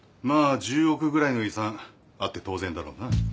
まあ１０億ぐらいの遺産あって当然だろうな。